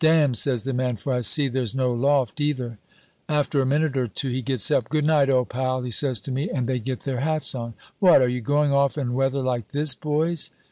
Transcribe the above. "'Damn,' says the man, 'for I see there's no loft, either.' "After a minute or two he gets up: 'Good night, old pal,' he says to me, and they get their hats on. "'What, are you going off in weather like this, boys?'